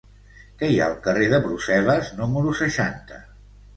Què hi ha al carrer de Brussel·les número seixanta?